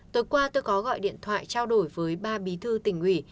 tối qua tôi có gọi điện thoại trao đổi với ba bí thư tỉnh ủy